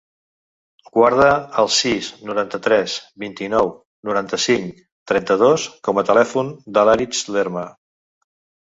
Guarda el sis, noranta-tres, vint-i-nou, noranta-cinc, trenta-dos com a telèfon de l'Aritz Lerma.